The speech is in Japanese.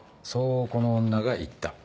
そうこの女が言った？